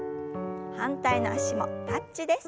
反対の脚もタッチです。